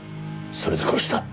それで殺した。